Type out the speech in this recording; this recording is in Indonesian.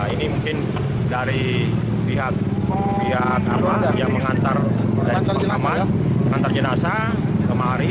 ini mungkin dari pihak pengantar jinazah kemari